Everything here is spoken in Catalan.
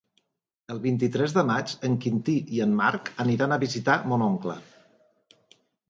El vint-i-tres de maig en Quintí i en Marc aniran a visitar mon oncle.